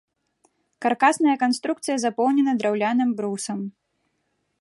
Каркасная канструкцыя запоўнена драўляным брусам.